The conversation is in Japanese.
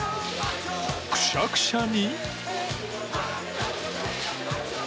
くしゃくしゃに？